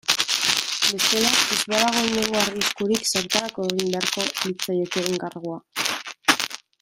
Bestela, ez badago inongo arriskurik zertarako egin beharko litzaioke enkargua.